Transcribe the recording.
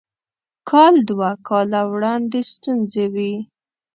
کال دوه کاله وړاندې ستونزې وې.